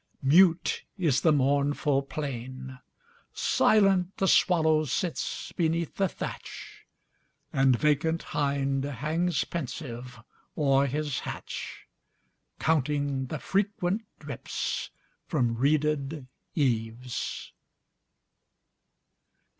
Mute is the mournful plain; Silent the swallow sits beneath the thatch, And vacant hind hangs pensive o'er his hatch, Counting the frequent drips from reeded eaves.